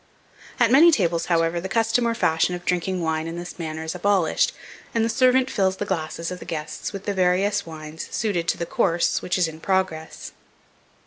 At many tables, however, the custom or fashion of drinking wine in this manner, is abolished, and the servant fills the glasses of the guests with the various wines suited to the course which is in progress.